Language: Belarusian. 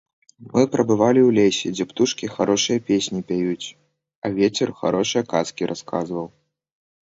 Мы прабывалі ў лесе, дзе птушкі харошыя песні пяюць, а вецер харошыя казкі расказваў.